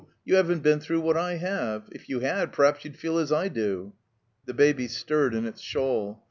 You haven't been through what I have; if you had, p'raps you'd feel as I do." The Baby stirred in its shawl.